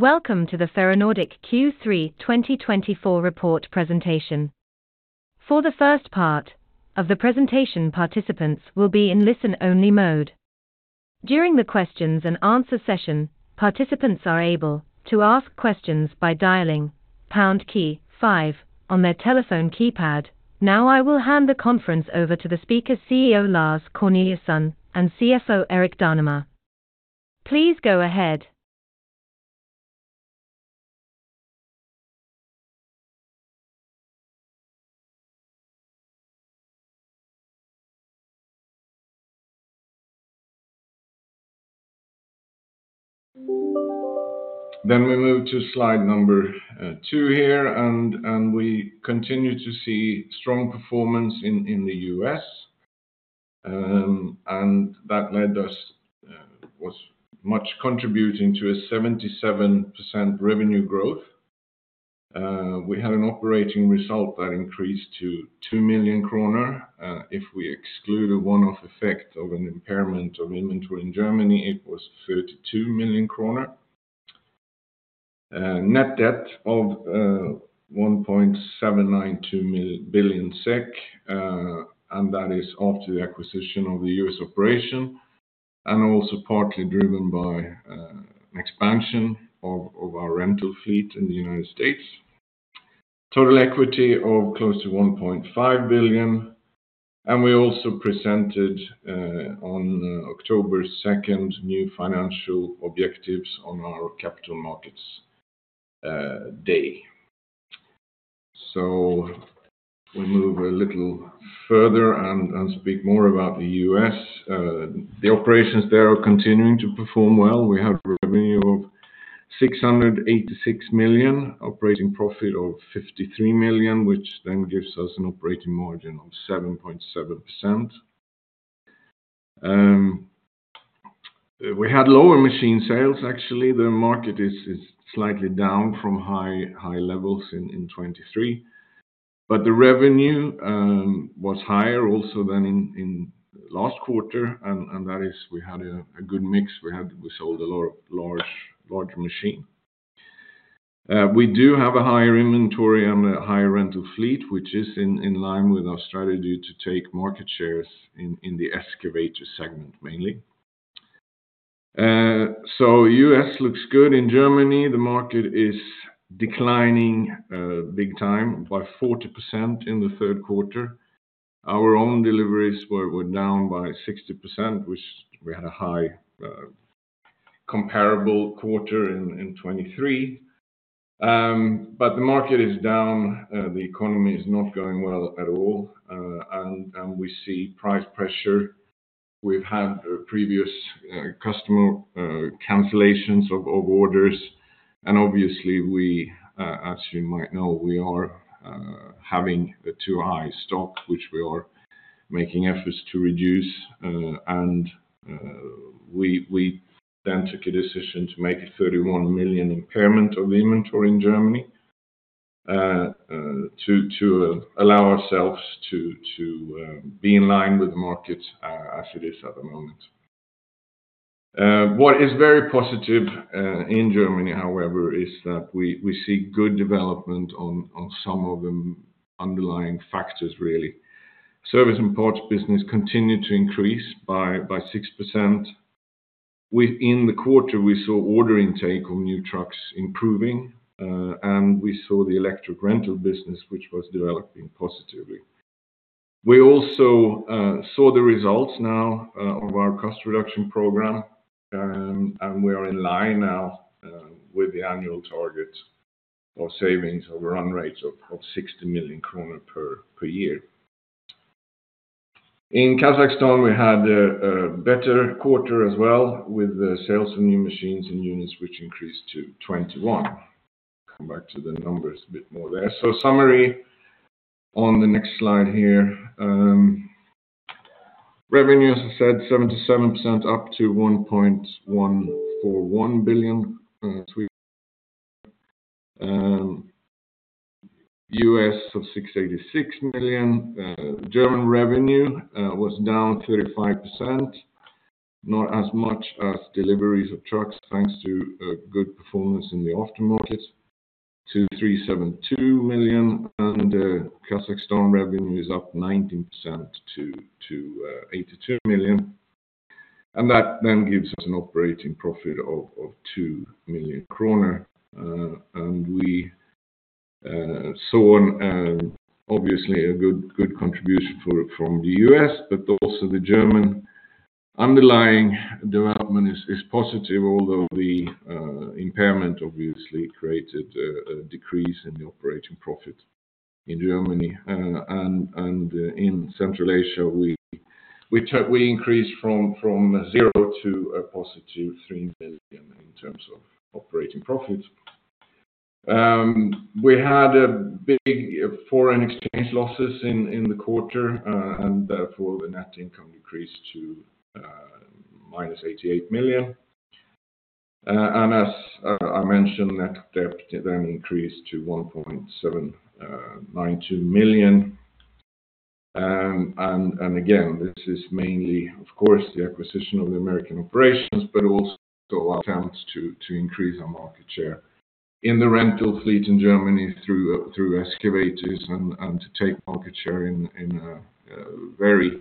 Welcome to the Ferronordic Q3 2024 report presentation. For the first part of the presentation, participants will be in listen-only mode. During the Q&A session, participants are able to ask questions by dialing #5 on their telephone keypad. Now I will hand the conference over to the speakers, CEO Lars Corneliusson and CFO Erik Danemar. Please go ahead. Then we move to slide number two here, and we continue to see strong performance in the US, and that was much contributing to a 77% revenue growth. We had an operating result that increased to 2 million kronor. If we exclude a one-off effect of an impairment of inventory in Germany, it was 32 million kronor. Net debt of 1.792 billion SEK, and that is after the acquisition of the US operation, and also partly driven by expansion of our rental fleet in the United States. Total equity of close to 1.5 billion. We also presented on October 2nd new financial objectives on our Capital Markets Day. We move a little further and speak more about the US. The operations there are continuing to perform well. We have a revenue of 686 million, operating profit of 53 million, which then gives us an operating margin of 7.7%. We had lower machine sales, actually. The market is slightly down from high levels in 2023, but the revenue was higher also than in last quarter, and that is we had a good mix. We sold a lot of large machine. We do have a higher inventory and a higher rental fleet, which is in line with our strategy to take market shares in the excavator segment mainly. So U.S. looks good. In Germany, the market is declining big time by 40% in the Q3. Our own deliveries were down by 60%, which we had a high comparable quarter in 2023. But the market is down. The economy is not going well at all, and we see price pressure. We've had previous customer cancellations of orders, and obviously, as you might know, we are having a too high stock, which we are making efforts to reduce. And we then took a decision to make a 31 million impairment of the inventory in Germany to allow ourselves to be in line with the market as it is at the moment. What is very positive in Germany, however, is that we see good development on some of the underlying factors, really. Service and parts business continued to increase by 6%. Within the quarter, we saw order intake on new trucks improving, and we saw the electric rental business, which was developing positively. We also saw the results now of our cost reduction program, and we are in line now with the annual target of savings of run rates of 60 million kronor per year. In Kazakhstan, we had a better quarter as well with sales of new machines and units, which increased to 21. Come back to the numbers a bit more there, so summary on the next slide here. Revenue, as I said, 77% up to 1.141 billion. U.S. of 686 million. German revenue was down 35%, not as much as deliveries of trucks thanks to good performance in the aftermarket, to 372 million, and Kazakhstan revenue is up 19% to 82 million, and that then gives us an operating profit of 2 million kroner. We saw, obviously, a good contribution from the U.S., but also the German underlying development is positive, although the impairment obviously created a decrease in the operating profit in Germany, and in Central Asia, we increased from zero to a positive 3 million in terms of operating profit. We had big foreign exchange losses in the quarter, and therefore the net income decreased to -88 million. And as I mentioned, net debt then increased to 1,792 million. And again, this is mainly, of course, the acquisition of the American operations, but also attempts to increase our market share in the rental fleet in Germany through excavators and to take market share in a very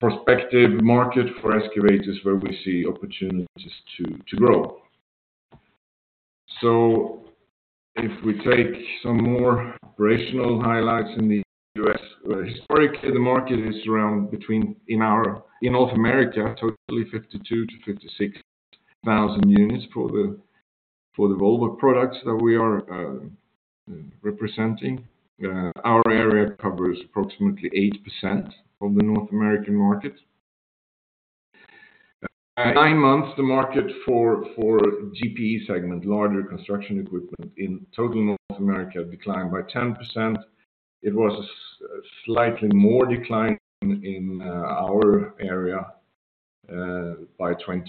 prospective market for excavators where we see opportunities to grow. So if we take some more operational highlights in the U.S., historically, the market is around between in North America, totally 52-56 thousand units for the Volvo products that we are representing. Our area covers approximately 8% of the North American market. Nine months, the market for GPE segment, larger construction equipment in total North America, declined by 10%. It was a slightly more decline in our area by 21%.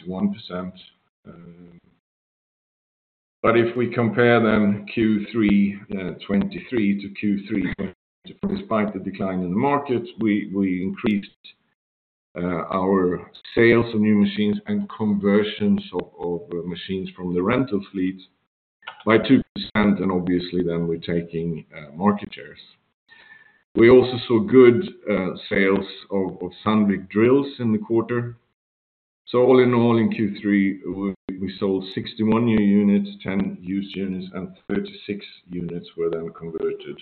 But if we compare then Q3 2023 to Q3 2024, despite the decline in the market, we increased our sales of new machines and conversions of machines from the rental fleet by 2%. And obviously, then we're taking market shares. We also saw good sales of Sandvik drills in the quarter. So all in all, in Q3, we sold 61 new units, 10 used units, and 36 units were then converted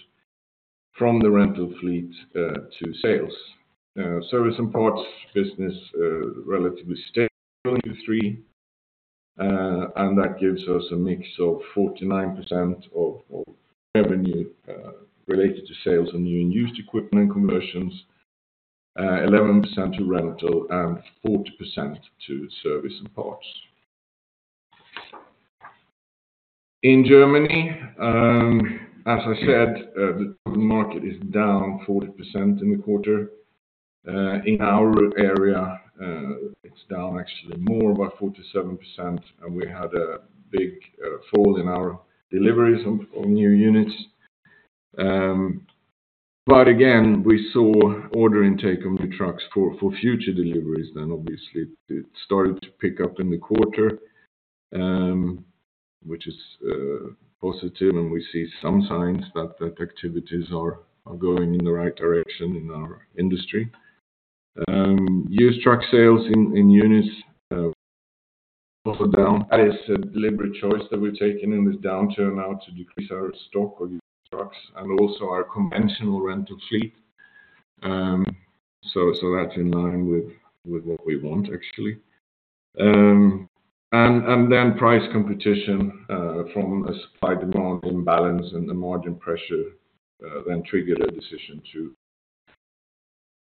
from the rental fleet to sales. Service and parts business relatively stable in Q3, and that gives us a mix of 49% of revenue related to sales of new and used equipment and conversions, 11% to rental, and 40% to service and parts. In Germany, as I said, the market is down 40% in the quarter. In our area, it's down actually more by 47%, and we had a big fall in our deliveries of new units. But again, we saw order intake on new trucks for future deliveries. Then, obviously, it started to pick up in the quarter, which is positive, and we see some signs that activities are going in the right direction in our industry. Used truck sales in units are down. That is a deliberate choice that we've taken in this downturn now to decrease our stock of used trucks and also our conventional rental fleet. So that's in line with what we want, actually. And then price competition from a supply-demand imbalance and the margin pressure then triggered a decision to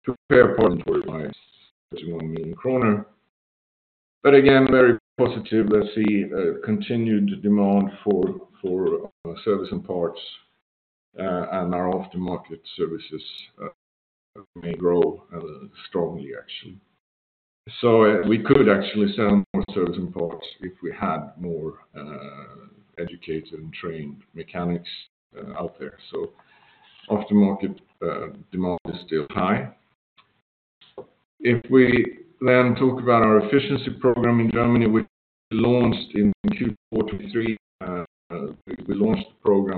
book an impairment for SEK 31 million. But again, very positive. We see continued demand for service and parts and our aftermarket services may grow strongly, actually. So we could actually sell more service and parts if we had more educated and trained mechanics out there. Aftermarket demand is still high. If we then talk about our efficiency program in Germany, which we launched in Q4 2023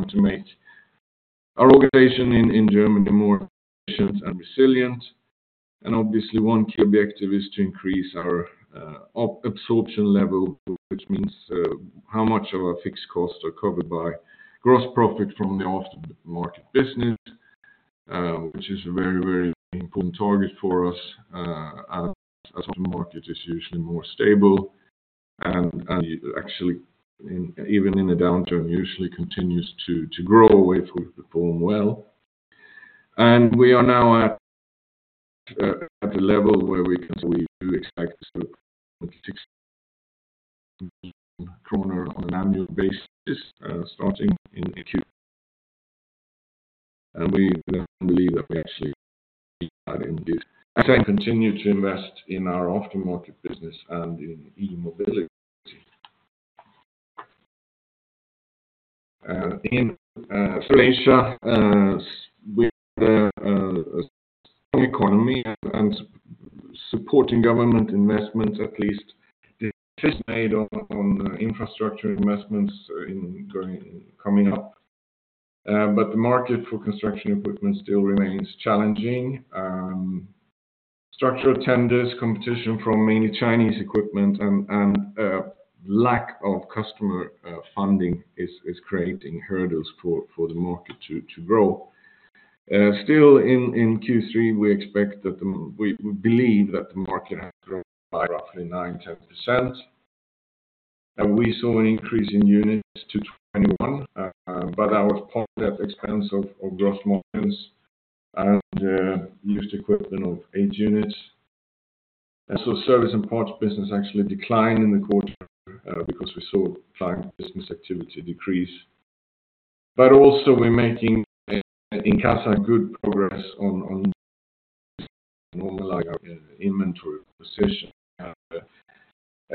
to make our organization in Germany more efficient and resilient. Obviously, one key objective is to increase our absorption level, which means how much of our fixed costs are covered by gross profit from the aftermarket business, which is a very, very important target for us as aftermarket is usually more stable. Actually, even in a downturn, usually continues to grow if we perform well. We are now at the level where we do expect to make 60 million on an annual basis starting in Q2. We believe that we actually continue to invest in our aftermarket business and in e-mobility. In Croatia, we have a strong economy and supporting government investments, at least decisions made on infrastructure investments coming up, but the market for construction equipment still remains challenging. Structural tenders, competition from mainly Chinese equipment, and lack of customer funding is creating hurdles for the market to grow. Still, in Q3, we expect that we believe that the market has grown by roughly 9%-10%, and we saw an increase in units to 21, but that was part of the expense of gross margins and used equipment of eight units, and so service and parts business actually declined in the quarter because we saw client business activity decrease, but also, we're making in Kazakhstan good progress on normalizing our inventory position.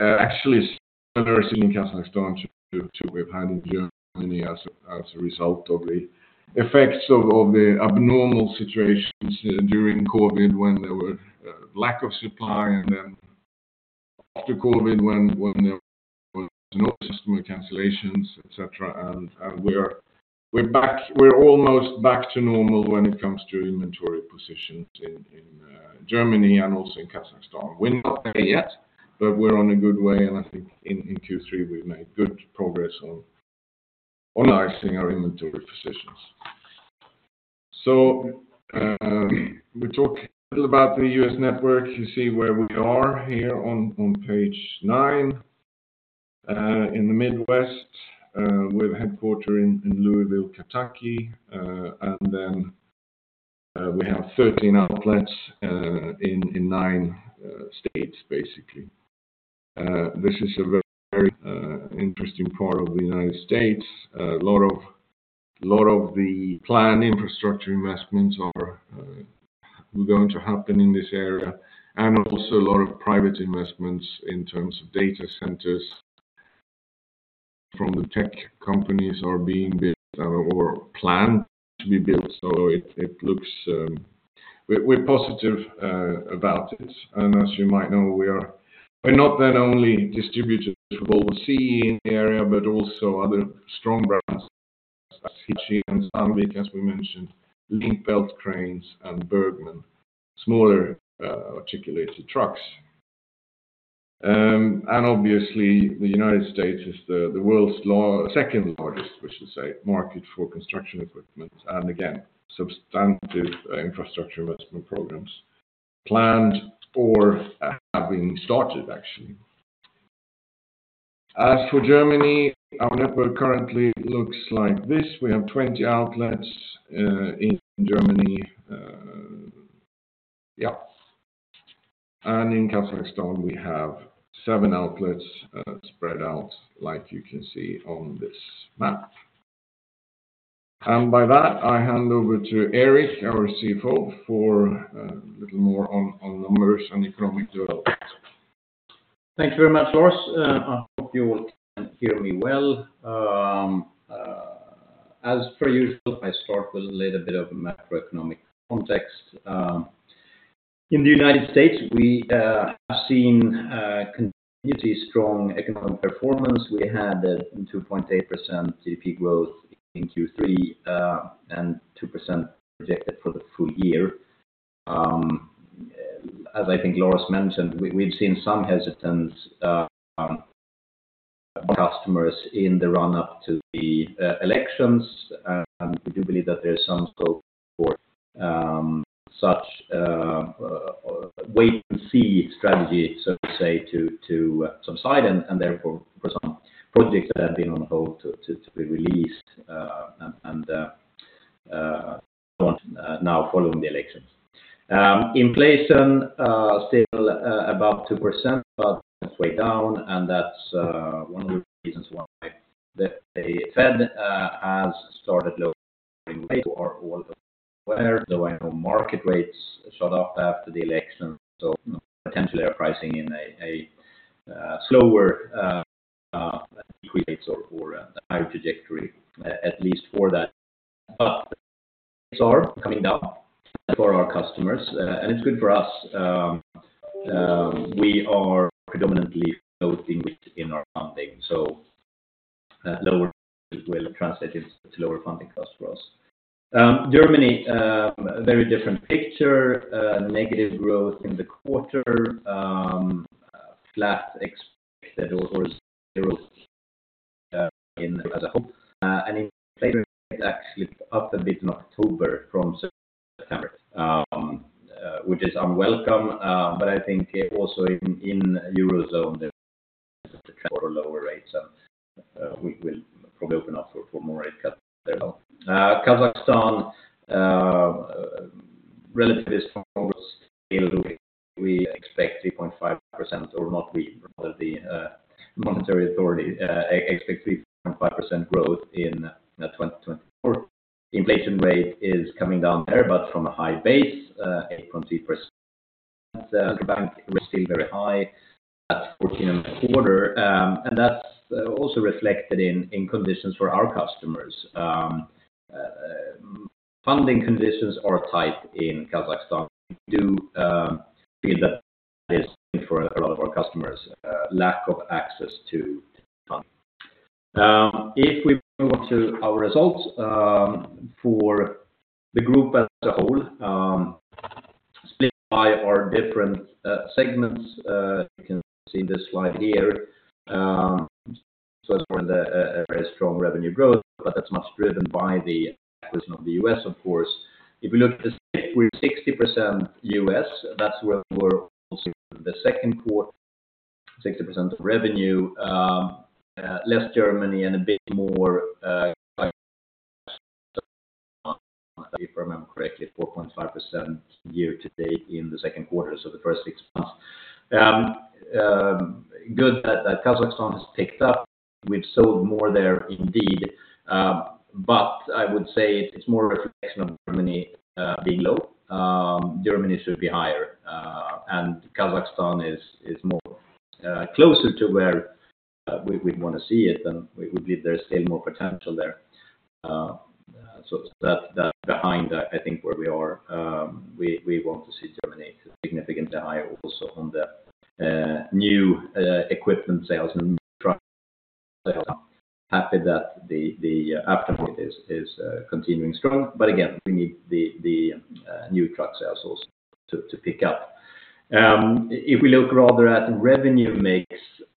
Actually, similar to in Kazakhstan to what we've had in Germany as a result of the effects of the abnormal situations during COVID when there was a lack of supply and then after COVID when there were no customer cancellations, etc. And we're almost back to normal when it comes to inventory positions in Germany and also in Kazakhstan. We're not there yet, but we're on a good way. And I think in Q3, we've made good progress on organizing our inventory positions. So we talked a little about the U.S. network. You see where we are here on page nine in the Midwest. We have headquarters in Louisville, Kentucky. And then we have 13 outlets in nine states, basically. This is a very interesting part of the United States. A lot of the planned infrastructure investments are going to happen in this area. And also a lot of private investments in terms of data centers from the tech companies are being built or planned to be built. So it looks we're positive about it. And as you might know, we're not the only distributors from overseas in the area, but also other strong brands such as Sandvik, as we mentioned, Link-Belt cranes, and Bergmann, smaller articulated trucks. And obviously, the United States is the world's second largest, we should say, market for construction equipment. And again, substantive infrastructure investment programs planned or have been started, actually. As for Germany, our network currently looks like this. We have 20 outlets in Germany. Yeah. And in Kazakhstan, we have seven outlets spread out, like you can see on this map. And by that, I hand over to Erik, our CFO, for a little more on numbers and economic development. Thank you very much, Lars. I hope you can hear me well. As per usual, I start with a little bit of macroeconomic context. In the United States, we have seen continuously strong economic performance. We had a 2.8% GDP growth in Q3 and 2% projected for the full year. As I think Lars mentioned, we've seen some hesitance from customers in the run-up to the elections. We do believe that there's some support for such wait-and-see strategy, so to say, to some side, and therefore for some projects that have been on hold to be released and now following the elections. Inflation is still about 2%, but it's way down, and that's one of the reasons why the Fed has started lowering rates or all of the other. Though I know market rates shot up after the election, so potentially our pricing in a slower equilibrium or a higher trajectory, at least for that. But rates are coming down for our customers, and it's good for us. We are predominantly floating in our funding, so that lower will translate into lower funding costs for us. Germany, a very different picture. Negative growth in the quarter. Flat expected or zero in 2024 as a whole. And inflation actually up a bit in October from September, which is unwelcome. But I think also in the Eurozone, there's a trend for lower rates, and we will probably open up for more rate cuts there as well. Kazakhstan, relatively strong growth still. We expect 3.5% or not; rather, the monetary authority expects 3.5% growth in 2024. Inflation rate is coming down there, but from a high base, 8.3%. Central Bank is still very high at 14.25%. And that's also reflected in conditions for our customers. Funding conditions are tight in Kazakhstan. We do feel that that is, for a lot of our customers, lack of access to funding. If we move on to our results for the group as a whole, split by our different segments, you can see this slide here. So it's very strong revenue growth, but that's much driven by the acquisition of the US, of course. If we look at the stats, we're 60% US. That's where we're also in the Q2, 60% of revenue. Less Germany and a bit more Kazakhstan. If I remember correctly, 4.5% year to date in the Q2 of the first six months. Good that Kazakhstan has picked up. We've sold more there indeed. But I would say it's more a reflection of Germany being low. Germany should be higher. Kazakhstan is closer to where we want to see it. We believe there's still more potential there. So that's behind, I think, where we are. We want to see Germany significantly higher also on the new equipment sales and new truck sales. Happy that the aftermarket is continuing strong. But again, we need the new truck sales also to pick up. If we look rather at revenue mix,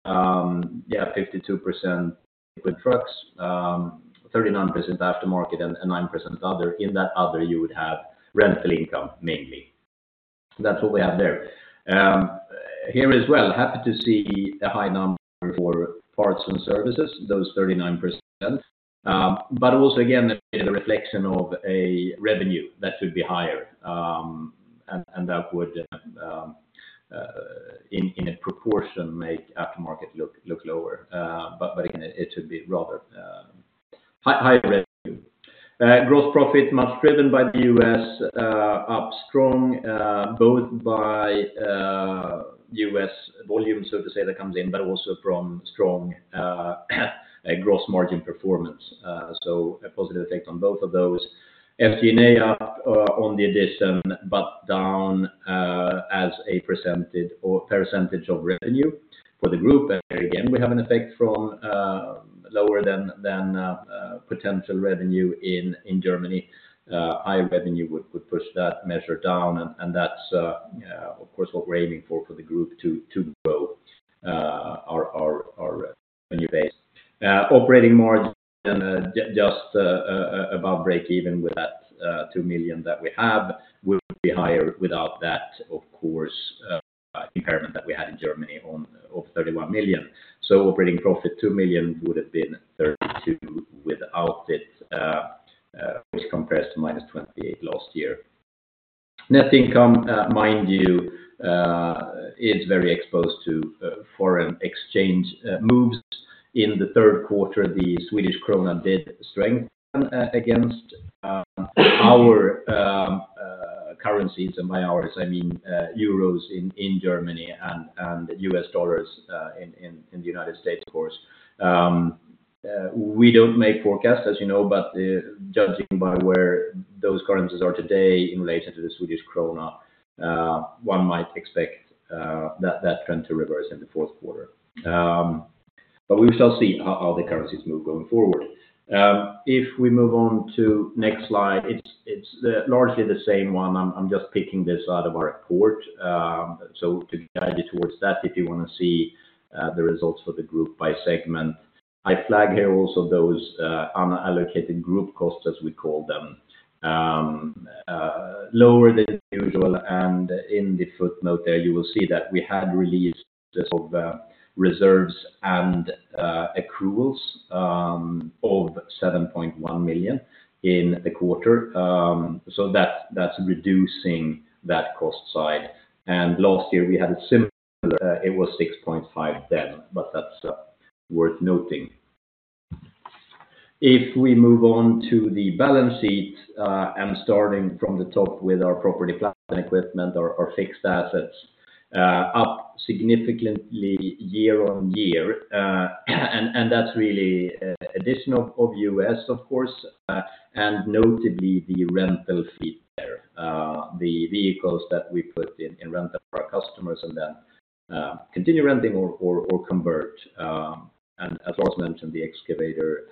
yeah, 52% equipment trucks, 39% aftermarket, and 9% other. In that other, you would have rental income mainly. That's what we have there. Here as well, happy to see a high number for parts and services, those 39%. But also, again, a reflection of a revenue that should be higher. And that would, in a proportion, make aftermarket look lower. But again, it should be rather high revenue. Gross profit, much driven by the U.S., up strong, both by U.S. volume, so to say, that comes in, but also from strong gross margin performance. So a positive effect on both of those. FD&A up on the addition, but down as a percentage of revenue for the group. And again, we have an effect from lower than potential revenue in Germany. High revenue would push that measure down. And that's, of course, what we're aiming for for the group to grow our revenue base. Operating margin just above break-even with that two million that we have would be higher without that, of course, impairment that we had in Germany of 31 million. So operating profit two million would have been 32 million without it, which compares to minus 28 million last year. Net income, mind you, is very exposed to foreign exchange moves. In the Q3, the Swedish krona did strengthen against our currencies. And by ours, I mean euros in Germany and US dollars in the United States, of course. We don't make forecasts, as you know, but judging by where those currencies are today in relation to the Swedish krona, one might expect that trend to reverse in the Q4, but we shall see how the currencies move going forward. If we move on to the next slide, it's largely the same one. I'm just picking this out of our report, so to guide you towards that, if you want to see the results for the group by segment, I flag here also those unallocated group costs, as we call them, lower than usual, and in the footnote there, you will see that we had release of reserves and accruals of 7.1 million in the quarter, so that's reducing that cost side, and last year, we had a similar. It was 6.5 million then, but that's worth noting. If we move on to the balance sheet and starting from the top with our property, plant and equipment, our fixed assets, up significantly year on year. That is really addition of US, of course, and notably the rental fleet there. The vehicles that we put in rental for our customers and then continue renting or convert. As Lars mentioned, the excavator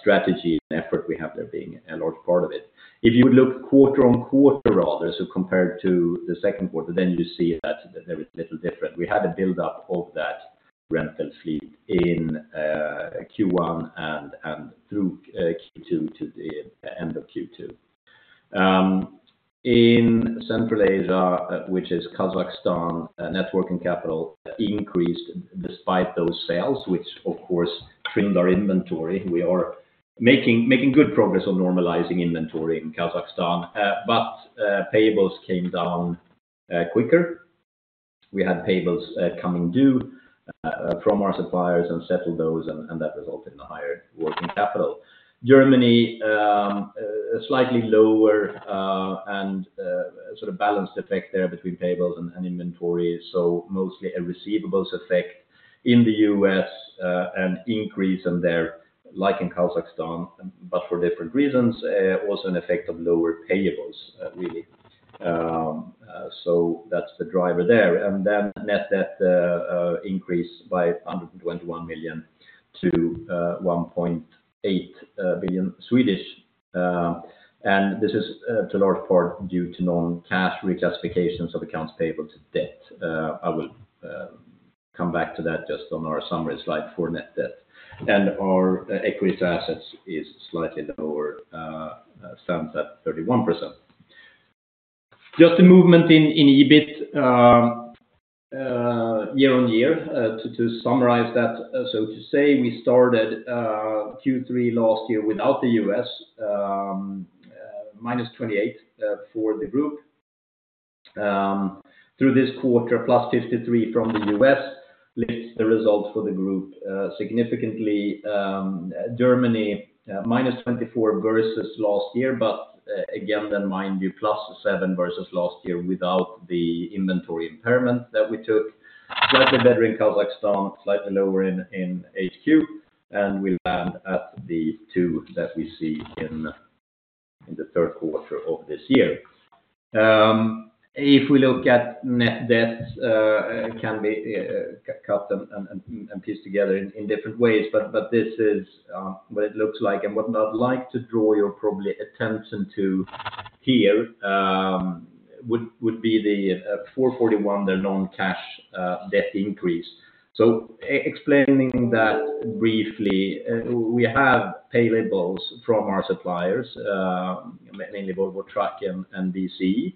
strategy and effort we have there being a large part of it. If you would look quarter on quarter, rather, so compared to the Q2, then you see that there is a little different. We had a build-up of that rental fleet in Q1 and through Q2 to the end of Q2. In Central Asia, which is Kazakhstan, working capital increased despite those sales, which, of course, trimmed our inventory. We are making good progress on normalizing inventory in Kazakhstan. Payables came down quicker. We had payables coming due from our suppliers and settled those, and that resulted in a higher working capital. Germany, a slightly lower and sort of balanced effect there between payables and inventory. So mostly a receivables effect in the U.S. and increase in there, like in Kazakhstan, but for different reasons. Also an effect of lower payables, really. So that's the driver there. And then net debt increased by 121 million SEK to 1.8 billion SEK. And this is to a large part due to non-cash reclassifications of accounts payable to debt. I will come back to that just on our summary slide for net debt. And our equity to assets is slightly lower, stands at 31%. Just the movement in EBIT year on year. To summarize that, so to say, we started Q3 last year without the U.S., minus 28 for the group. Through this quarter, plus 53 from the U.S., lifts the result for the group significantly. Germany, minus 24 versus last year. But again, then mind you, plus 7 versus last year without the inventory impairment that we took. Slightly better in Kazakhstan, slightly lower in HQ. And we land at the 2 that we see in the Q3 of this year. If we look at net debt, it can be cut and pieced together in different ways. But this is what it looks like. And what I'd like to draw, probably, your attention to here would be the 441, the non-cash debt increase. So explaining that briefly, we have payables from our suppliers, mainly Volvo Trucks and VCE.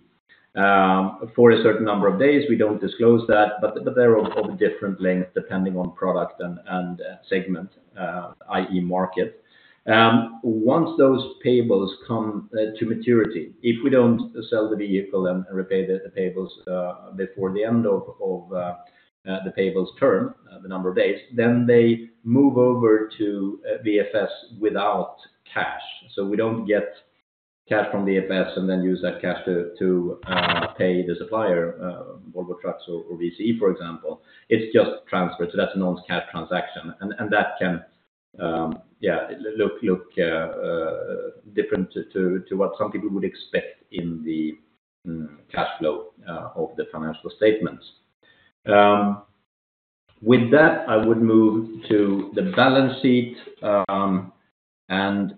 For a certain number of days, we don't disclose that. But they're of a different length depending on product and segment, i.e., market. Once those payables come to maturity, if we don't sell the vehicle and repay the payables before the end of the payables term, the number of days, then they move over to VFS without cash, so we don't get cash from VFS and then use that cash to pay the supplier, Volvo Trucks or VCE, for example. It's just transferred, so that's a non-cash transaction, and that can, yeah, look different to what some people would expect in the cash flow of the financial statements. With that, I would move to the balance sheet and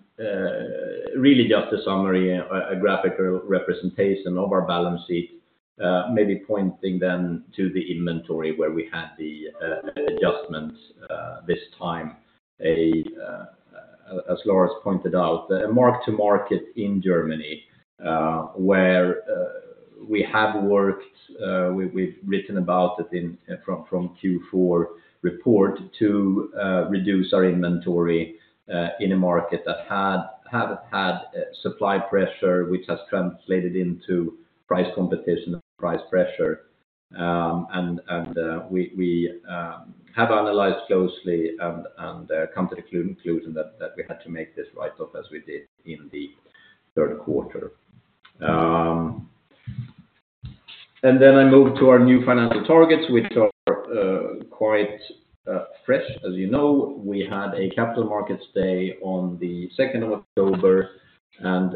really just a summary, a graphical representation of our balance sheet, maybe pointing then to the inventory where we had the adjustments this time. As Lars pointed out, a mark-to-market in Germany where we have worked. We've written about it from Q4 report to reduce our inventory in a market that had supply pressure, which has translated into price competition and price pressure. And we have analyzed closely and come to the conclusion that we had to make this write-off as we did in the Q3. And then I move to our new financial targets, which are quite fresh, as you know. We had a capital markets day on the 2nd of October. And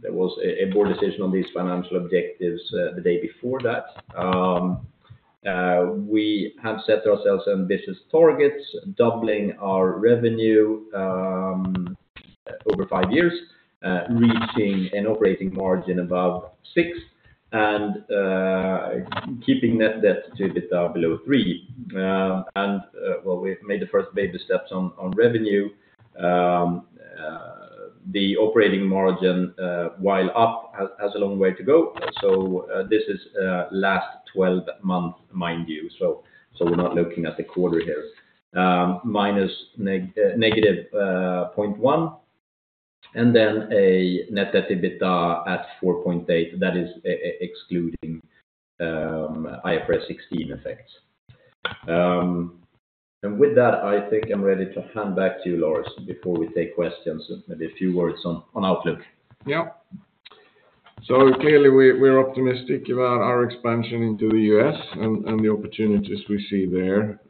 there was a board decision on these financial objectives the day before that. We have set ourselves ambitious targets, doubling our revenue over five years, reaching an operating margin above 6% and keeping net debt to be down below 3. And while we've made the first baby steps on revenue, the operating margin, while up, has a long way to go. So this is last 12 months, mind you. So we're not looking at the quarter here, minus negative 0.1. And then a net debt to be down at 4.8. That is excluding IFRS 16 effects. And with that, I think I'm ready to hand back to you, Lars, before we take questions. Maybe a few words on outlook. Yeah. So clearly, we're optimistic about our expansion into the U.S. and the opportunities we see there.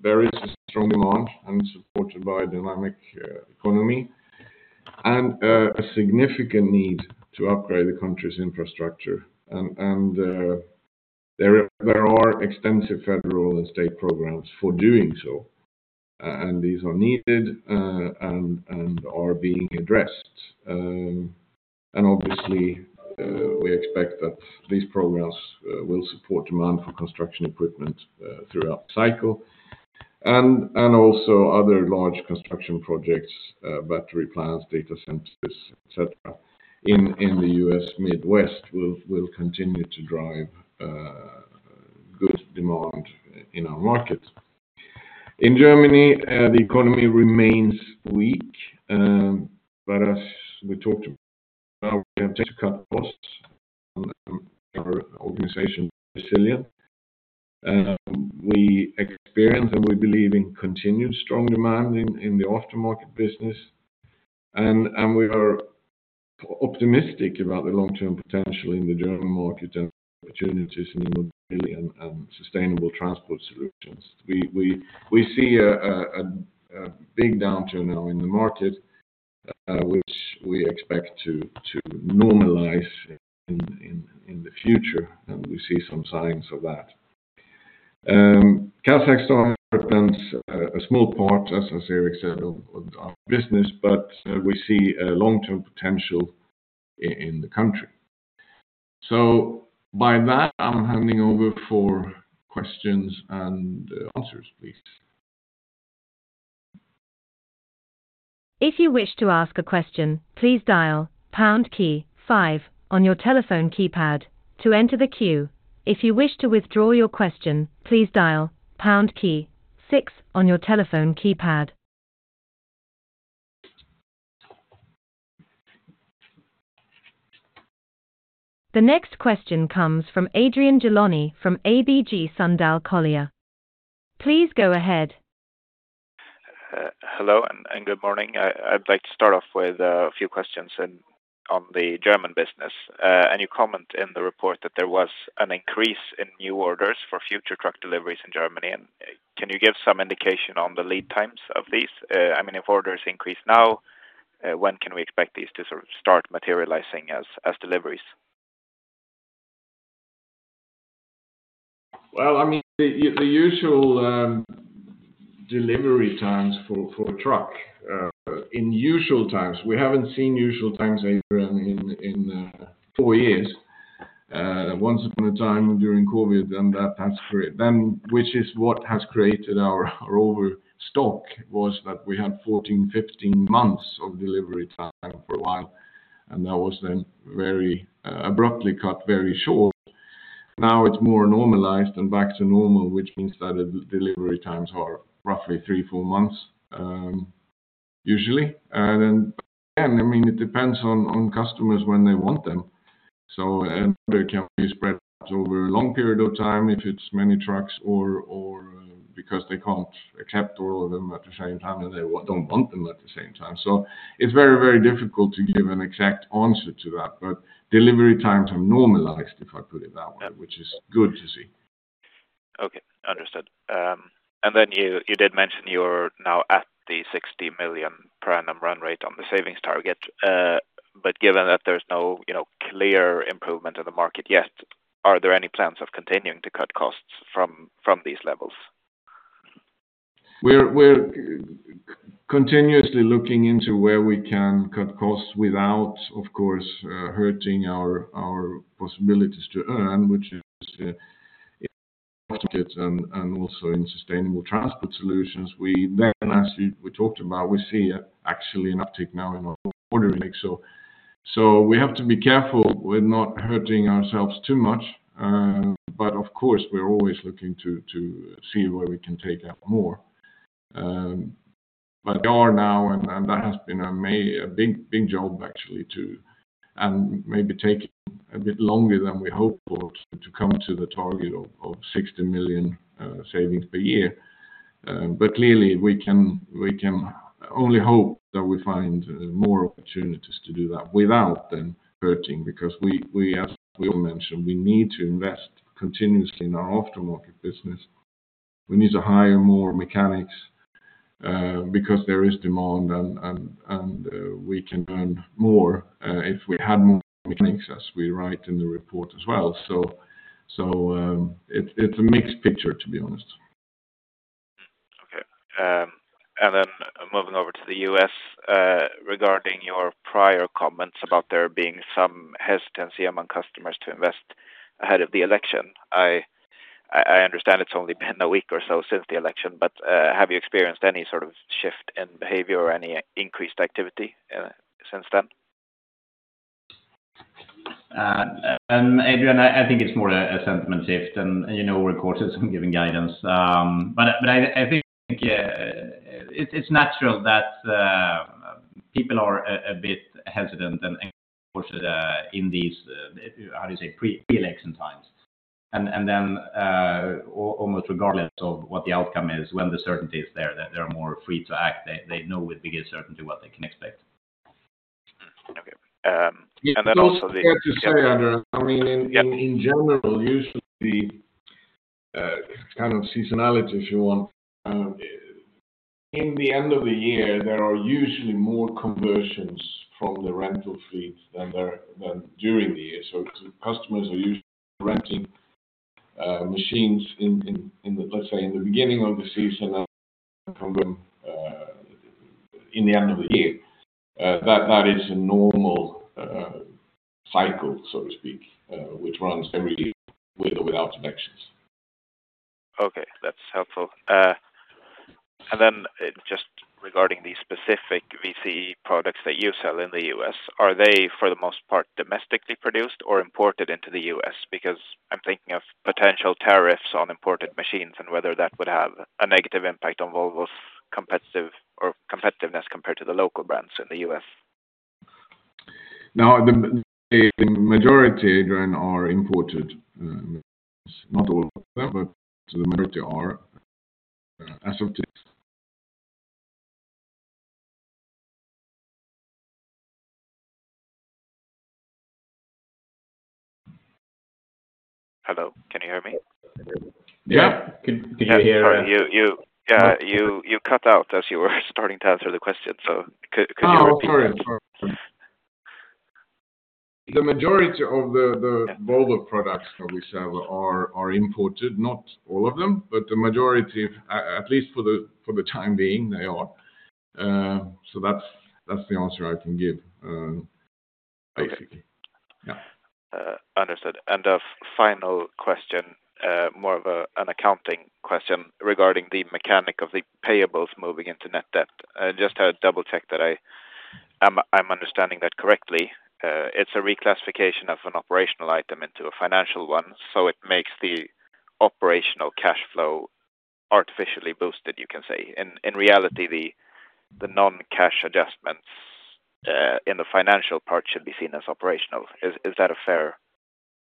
There is strong demand and supported by a dynamic economy and a significant need to upgrade the country's infrastructure. And there are extensive federal and state programs for doing so. And these are needed and are being addressed. And obviously, we expect that these programs will support demand for construction equipment throughout the cycle. And also other large construction projects, battery plants, data centers, etc., in the U.S. Midwest will continue to drive good demand in our markets. In Germany, the economy remains weak. But as we talked about, we have to cut costs. Our organization is resilient. We experience and we believe in continued strong demand in the aftermarket business. And we are optimistic about the long-term potential in the German market and opportunities in the mobility and sustainable transport solutions. We see a big downturn now in the market, which we expect to normalize in the future. And we see some signs of that. Kazakhstan represents a small part, as Erik said, of our business, but we see a long-term potential in the country. So by that, I'm handing over for questions and answers, please. If you wish to ask a question, please dial pound key 5 on your telephone keypad to enter the queue. If you wish to withdraw your question, please dial pound key 6 on your telephone keypad. The next question comes from Adrian Gilani from ABG Sundal Collier. Please go ahead. Hello and good morning. I'd like to start off with a few questions on the German business. And you comment in the report that there was an increase in new orders for future truck deliveries in Germany. And can you give some indication on the lead times of these? I mean, if orders increase now, when can we expect these to sort of start materializing as deliveries? Well, I mean, the usual delivery times for a truck in usual times, we haven't seen usual times in four years. Once upon a time during COVID, then that's great. Then, which is what has created our overstock, was that we had 14, 15 months of delivery time for a while. And that was then very abruptly cut very short. Now it's more normalized and back to normal, which means that delivery times are roughly three, four months usually. And again, I mean, it depends on customers when they want them. So there can be spread over a long period of time if it's many trucks or because they can't accept all of them at the same time and they don't want them at the same time. So it's very, very difficult to give an exact answer to that. But delivery times have normalized, if I put it that way, which is good to see. Okay. Understood. And then you did mention you're now at the 60 million per annum run rate on the savings target. But given that there's no clear improvement in the market yet, are there any plans of continuing to cut costs from these levels? We're continuously looking into where we can cut costs without, of course, hurting our possibilities to earn, which is often markets and also in sustainable transport solutions. We then, as we talked about, we see actually an uptick now in our order intake, so we have to be careful with not hurting ourselves too much, but of course, we're always looking to see where we can take out more, but we are now, and that has been a big job, actually, to and maybe take a bit longer than we hoped to come to the target of 60 million savings per year, but clearly, we can only hope that we find more opportunities to do that without then hurting because we, as we mentioned, we need to invest continuously in our aftermarket business. We need to hire more mechanics because there is demand and we can earn more if we had more mechanics, as we write in the report as well. So it's a mixed picture, to be honest. Okay. And then moving over to the U.S., regarding your prior comments about there being some hesitancy among customers to invest ahead of the election, I understand it's only been a week or so since the election. But have you experienced any sort of shift in behavior or any increased activity since then? Adrian, I think it's more a sentiment shift. And you know, regarding some giving guidance. But I think it's natural that people are a bit hesitant and in these, how do you say, pre-election times. And then almost regardless of what the outcome is, when the certainty is there, they're more free to act. They know with biggest certainty what they can expect. Okay. And then also I mean, in general, usually kind of seasonality, if you want. In the end of the year, there are usually more conversions from the rental fleets than during the year. So customers are usually renting machines in, let's say, in the beginning of the season and from them in the end of the year. That is a normal cycle, so to speak, which runs every year with or without elections. Okay. That's helpful. And then just regarding these specific VCE products that you sell in the U.S., are they for the most part domestically produced or imported into the U.S.? Because I'm thinking of potential tariffs on imported machines and whether that would have a negative impact on Volvo's competitiveness compared to the local brands in the U.S. Now, the majority, Adrian, are imported machines. Not all of them, but the majority are as of today. Hello. Can you hear me? Yeah. Can you hear? Yeah. You cut out as you were starting to answer the question. So could you repeat that? The majority of the Volvo products that we sell are imported, not all of them. But the majority, at least for the time being, they are. So that's the answer I can give, basically. Yeah. Understood. And final question, more of an accounting question regarding the mechanics of the payables moving into net debt. Just to double-check that I'm understanding that correctly, it's a reclassification of an operational item into a financial one. So it makes the operational cash flow artificially boosted, you can say. In reality, the non-cash adjustments in the financial part should be seen as operational. Is that a fair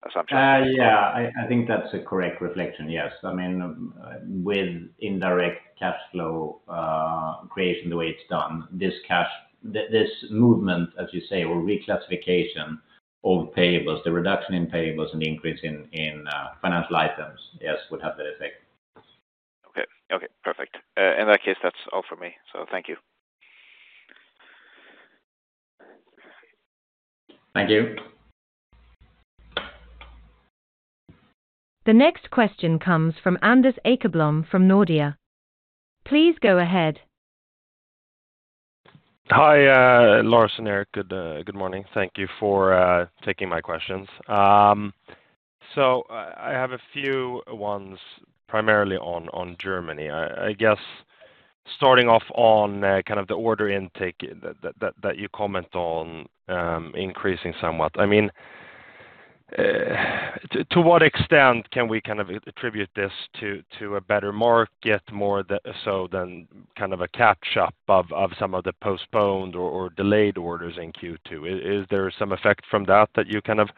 assumption? Yeah. I think that's a correct reflection. Yes. I mean, with indirect cash flow creation the way it's done, this movement, as you say, or reclassification of payables, the reduction in payables and the increase in financial items, yes, would have that effect. Okay. Okay. Perfect. In that case, that's all for me. So thank you. Thank you. The next question comes from Anders Åkerblom from Nordea. Please go ahead. Hi, Lars and Erik. Good morning. Thank you for taking my questions. So I have a few ones primarily on Germany. I guess starting off on kind of the order intake that you comment on increasing somewhat. I mean, to what extent can we kind of attribute this to a better market so than kind of a catch-up of some of the postponed or delayed orders in Q2? Is there some effect from that that you kind of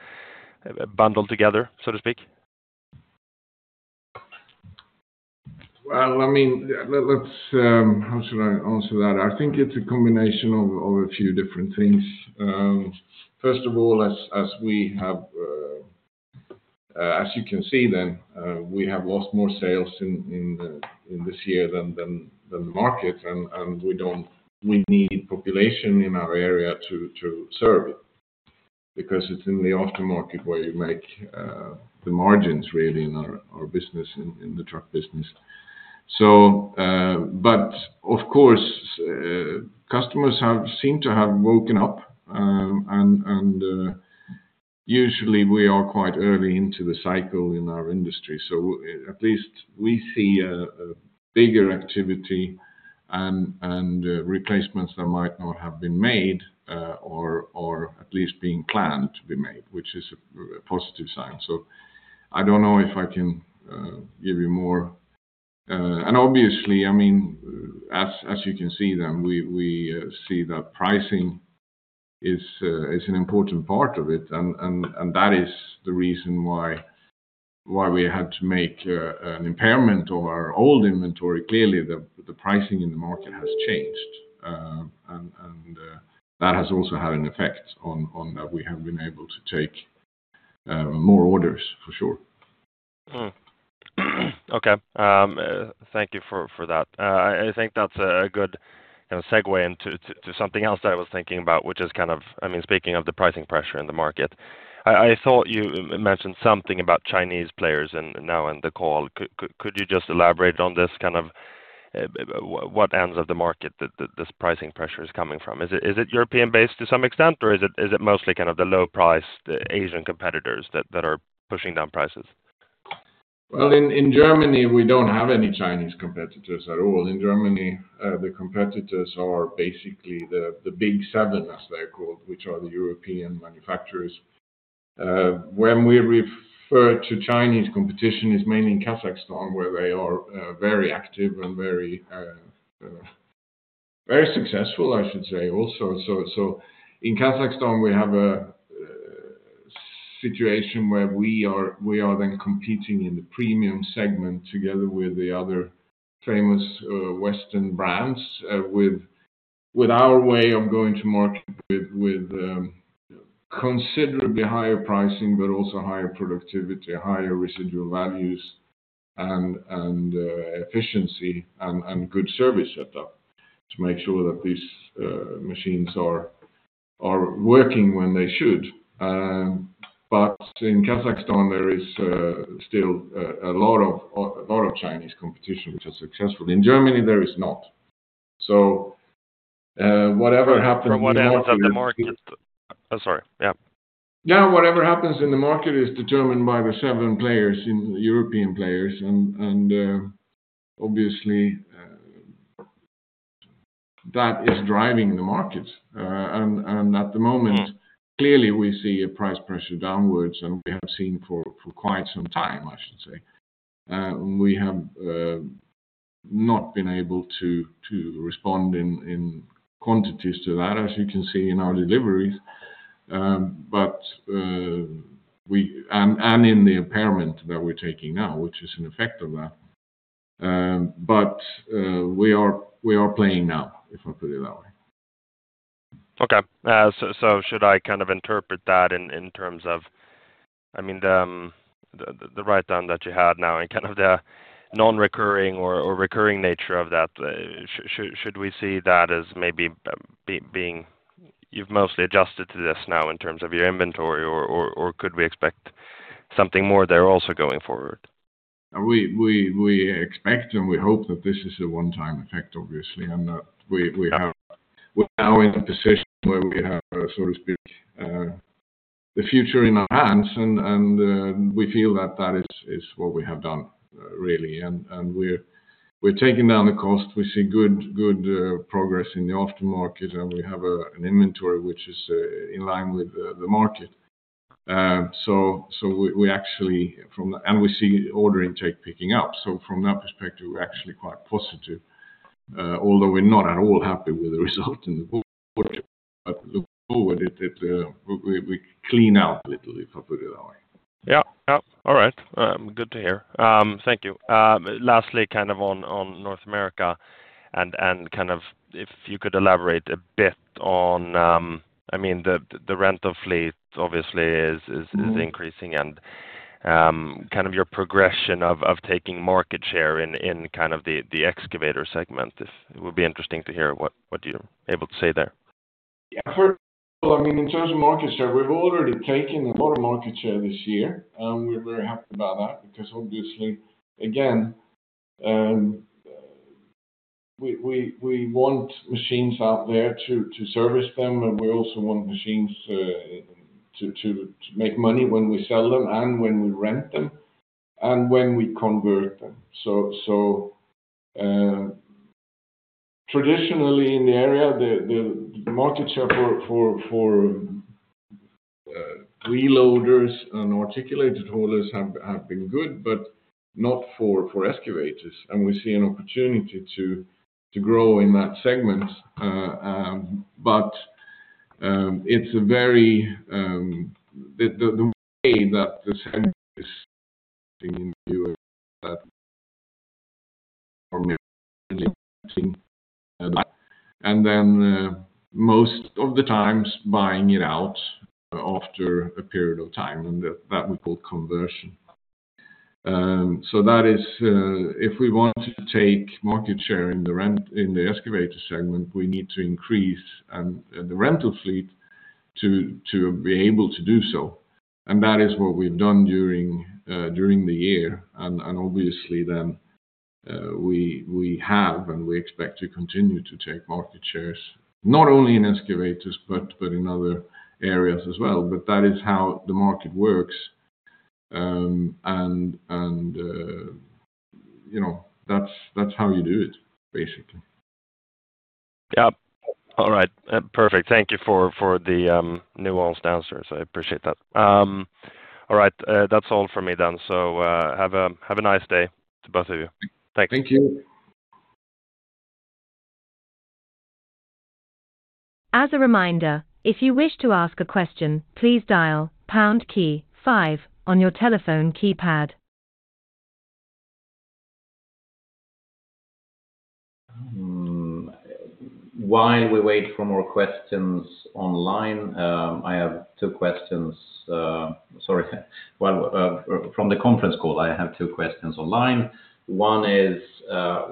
bundle together, so to speak? I mean, how should I answer that? I think it's a combination of a few different things. First of all, as we have, as you can see then, we have lost more sales in this year than the market, and we need population in our area to serve it because it's in the aftermarket where you make the margins really in our business, in the truck business, but of course, customers seem to have woken up, and usually we are quite early into the cycle in our industry, so at least we see a bigger activity and replacements that might not have been made or at least being planned to be made, which is a positive sign, so I don't know if I can give you more, and obviously, I mean, as you can see then, we see that pricing is an important part of it. That is the reason why we had to make an impairment of our old inventory. Clearly, the pricing in the market has changed. And that has also had an effect on that we have been able to take more orders, for sure. Okay. Thank you for that. I think that's a good segue into something else that I was thinking about, which is kind of, I mean, speaking of the pricing pressure in the market. I thought you mentioned something about Chinese players now in the call. Could you just elaborate on this kind of what ends of the market this pricing pressure is coming from? Is it European-based to some extent, or is it mostly kind of the low-priced, the Asian competitors that are pushing down prices? In Germany, we don't have any Chinese competitors at all. In Germany, the competitors are basically the Big Seven, as they're called, which are the European manufacturers. When we refer to Chinese competition, it's mainly in Kazakhstan, where they are very active and very successful, I should say, also. So in Kazakhstan, we have a situation where we are then competing in the premium segment together with the other famous Western brands with our way of going to market with considerably higher pricing, but also higher productivity, higher residual values, and efficiency, and good service setup to make sure that these machines are working when they should. But in Kazakhstan, there is still a lot of Chinese competition, which is successful. In Germany, there is not. So whatever happens in the market is determined by the seven players, the European players. And obviously, that is driving the market. And at the moment, clearly, we see a price pressure downwards, and we have seen for quite some time, I should say. We have not been able to respond in quantities to that, as you can see in our deliveries. And in the impairment that we're taking now, which is an effect of that. But we are playing now, if I put it that way. Okay. So should I kind of interpret that in terms of, I mean, the write-down that you had now and kind of the non-recurring or recurring nature of that? Should we see that as maybe being you've mostly adjusted to this now in terms of your inventory, or could we expect something more there also going forward? We expect and we hope that this is a one-time effect, obviously. We are in a position where we have, so to speak, the future in our hands. We feel that that is what we have done, really. We're taking down the cost. We see good progress in the aftermarket, and we have an inventory which is in line with the market. We actually from and we see order intake picking up. From that perspective, we're actually quite positive, although we're not at all happy with the result in the board. Looking forward, we clean out a little, if I put it that way. Yeah. Yeah. All right. Good to hear. Thank you. Lastly, kind of on North America and kind of if you could elaborate a bit on, I mean, the rental fleet, obviously, is increasing and kind of your progression of taking market share in kind of the excavator segment. It would be interesting to hear what you're able to say there. Yeah. Well, I mean, in terms of market share, we've already taken a lot of market share this year, and we're very happy about that because, obviously, again, we want machines out there to service them. And we also want machines to make money when we sell them and when we rent them and when we convert them, so traditionally, in the area, the market share for wheel loaders and articulated haulers have been good, but not for excavators, and we see an opportunity to grow in that segment, but it's a very the way that the segment is in the U.S. that we're currently renting, and then most of the time, buying it out after a period of time, and that we call conversion. So that is if we want to take market share in the excavator segment, we need to increase the rental fleet to be able to do so. And that is what we've done during the year. And obviously, then we have and we expect to continue to take market shares, not only in excavators, but in other areas as well. But that is how the market works. And that's how you do it, basically. Yeah. All right. Perfect. Thank you for the nuanced answers. I appreciate that. All right. That's all for me then. So have a nice day to both of you. Thanks. Thank you. As a reminder, if you wish to ask a question, please dial pound key five on your telephone keypad. While we wait for more questions online, I have two questions. Sorry. From the conference call, I have two questions online. One is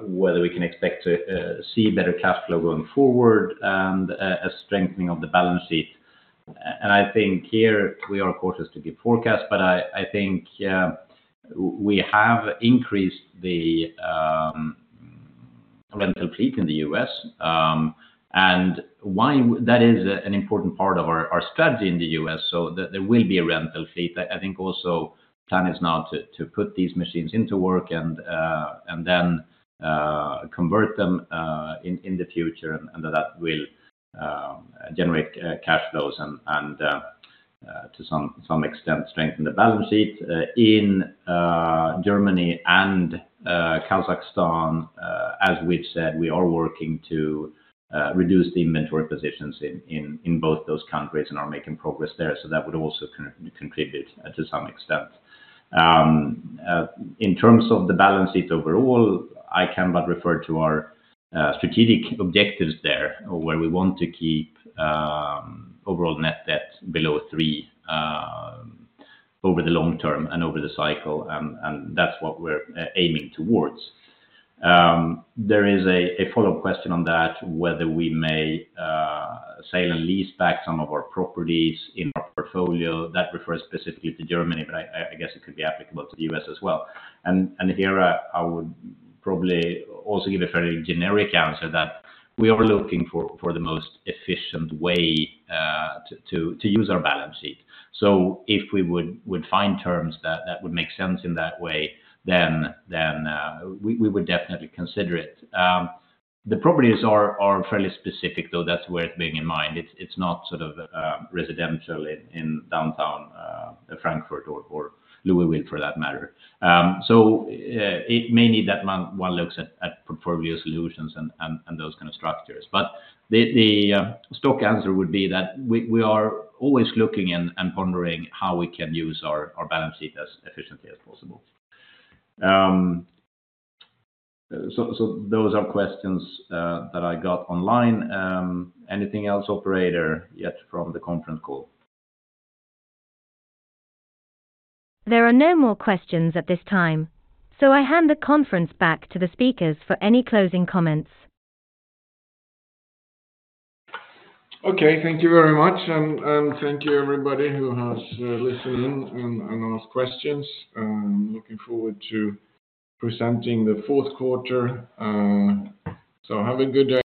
whether we can expect to see better cash flow going forward and a strengthening of the balance sheet. And I think here we are cautious to give forecasts, but I think we have increased the rental fleet in the U.S. And that is an important part of our strategy in the U.S. So there will be a rental fleet. I think also the plan is now to put these machines into work and then convert them in the future. And that will generate cash flows and, to some extent, strengthen the balance sheet in Germany and Kazakhstan. As we've said, we are working to reduce the inventory positions in both those countries and are making progress there. So that would also contribute to some extent. In terms of the balance sheet overall, I cannot refer to our strategic objectives there, where we want to keep overall net debt below three over the long term and over the cycle. That's what we're aiming towards. There is a follow-up question on that, whether we may sell and lease back some of our properties in our portfolio. That refers specifically to Germany, but I guess it could be applicable to the US as well. Here, I would probably also give a fairly generic answer that we are looking for the most efficient way to use our balance sheet. If we would find terms that would make sense in that way, then we would definitely consider it. The properties are fairly specific, though. That's worth bearing in mind. It's not sort of residential in downtown Frankfurt or Louisville, for that matter. So it may need that one looks at portfolio solutions and those kind of structures. But the stock answer would be that we are always looking and pondering how we can use our balance sheet as efficiently as possible. So those are questions that I got online. Anything else, operator, yet from the conference call? There are no more questions at this time. So I hand the conference back to the speakers for any closing comments. Okay. Thank you very much. And thank you, everybody, who has listened in and asked questions. I'm looking forward to presenting the Q4. So have a good day.